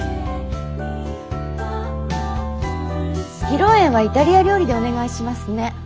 披露宴はイタリア料理でお願いしますね。